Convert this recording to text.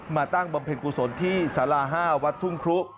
ตั้งบำเพ็ญกุศลที่สารา๕วัดทุ่งครุ